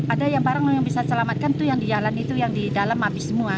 ada yang barang yang bisa selamatkan itu yang di jalan itu yang di dalam api semua